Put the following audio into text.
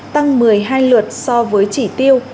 tăng một mươi hai lượt so với chỉ tiêu